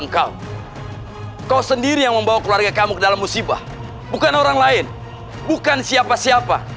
engkau kau sendiri yang membawa keluarga kamu ke dalam musibah bukan orang lain bukan siapa siapa